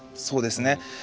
そうですね。